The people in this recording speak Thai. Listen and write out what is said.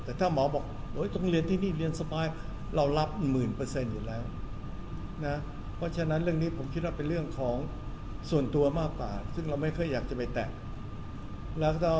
แต่ถ้าหมอบอกต้องเรียนที่นี่เรียนสบายเรารับหมื่นเปอร์เซ็นต์อยู่แล้วนะเพราะฉะนั้นเรื่องนี้ผมคิดว่าเป็นเรื่องของส่วนตัวมากกว่าซึ่งเราไม่ค่อยอยากจะไปแตะ